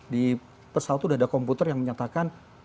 di pesawat itu sudah ada komputer yang menyatakan